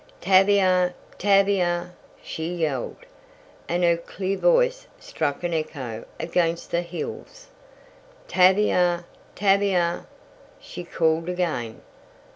"Tavia! Tavia!" she yelled, and her clear voice struck an echo against the hills. "Tavia! Tavia!" she called again.